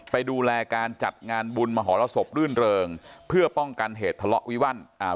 ไปดูแลการจัดงานบุญมหรสบรื่นเริงเพื่อป้องกันเหตุทะเลาะวิวัลอ่า